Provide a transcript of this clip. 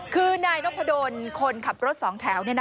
คือนายนพดลคนขับรถสองแถว